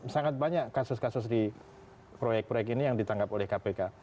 sangat banyak kasus kasus di proyek proyek ini yang ditangkap oleh kpk